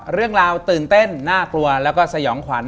เรื่องราวตื่นเต้นน่ากลัวแล้วก็สยองขวัญ